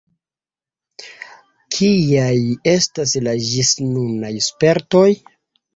Kiaj estas la ĝisnunaj spertoj?